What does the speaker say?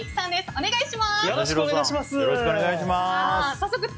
お願いします。